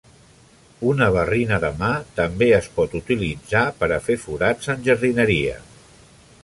Una barrina de mà també es pot utilitzar per a fer forats en jardineria.